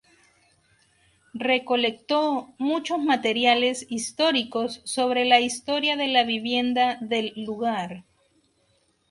Recolectó muchos materiales históricos sobre la historia de la vivienda del lugar.